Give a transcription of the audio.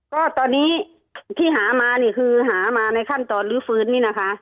ก็ตอนนี้ที่หามานี่คือหามาในขั้นตอนลื้อฟื้นนี่นะคะ